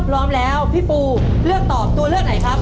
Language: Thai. พร้อมแล้วพี่ปูเลือกตอบตัวเลือกไหนครับ